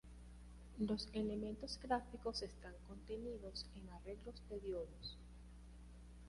Los elementos gráficos están contenidos en arreglos de diodos.